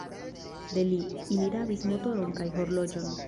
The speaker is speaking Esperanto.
De li, ili rabis motoron kaj horloĝon.